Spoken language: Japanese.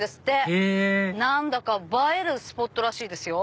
へぇ何だか映えるスポットらしいですよ。